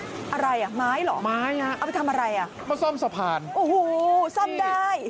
อะไรอ่ะไม้เหรอไม้ไงเอาไปทำอะไรอ่ะมาซ่อมสะพานโอ้โหซ่อมได้